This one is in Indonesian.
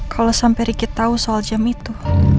kalau sampe ricky tau soal jam itu